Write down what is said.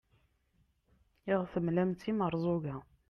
i aɣ-temlam d timerẓuga